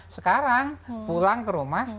sekarang pulang ke rumah